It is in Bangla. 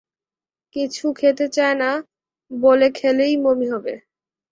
কিছু খেতে চায় না, বলে খেলেই বমি হবে।